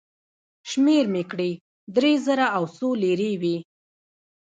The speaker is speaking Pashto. شمېر مې کړې، درې زره او څو لېرې وې.